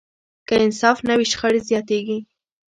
که انصاف نه وي، شخړې زیاتېږي.